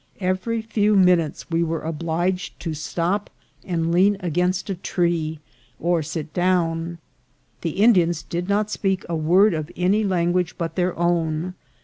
Ev ery few minutes we were obliged to stop and lean against a tree or sit down. The Indians did not speak a word of any language but their own.